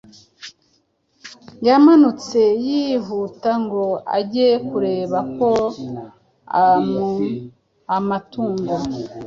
yamanutse yihuta ngo ajye kureba ko amatungo